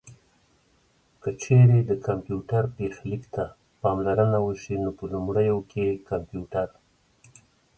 که چېرې د کمپيوټر پيښليک ته پاملرنه وشي نو په لومړيو کې کمپيوټر